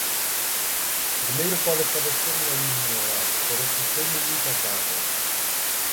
primeiro pode parecer unha nimiedade, pero custoume moitas bágoas: